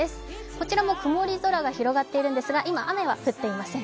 こちらも曇り空が広がっているんですが、今、雨は降っていません。